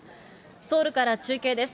ソウルから中継です。